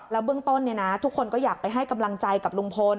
เบื้องต้นทุกคนก็อยากไปให้กำลังใจกับลุงพล